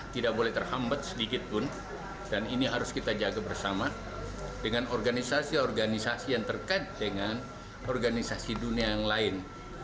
tidak boleh terhambat sedikit pun dan ini harus kita jaga bersama dengan organisasi organisasi yang terkait dengan organisasi dunia yang lain